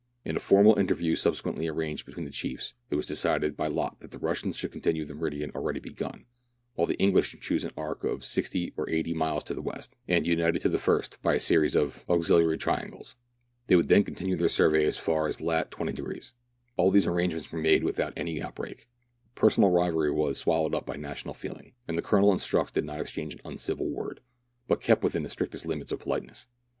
In a formal interview sub sequently arranged between the chiefs, it was decided by lot that the Russians should continue the meridian already begun, while the English should choose an arc 60 or 80 miles to the west, and unite it to the first by a series of Tlie Parting of Emery and Zom. — [Page 135.] THREE ENGLISHMEN AND THREE RUSSIANS. . I35 auxiliary triangles ; they would then continue their survey as far as lat. 20^^. All these arrangements were made without any out break : personal rivalry was, swallowed up by national feeling, and the Colonel and Strux did not exchange an uncivil word, but kept within the strictest limits of politeness.